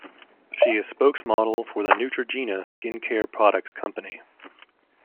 She is a spokesmodel for the Neutrogena skin care products company.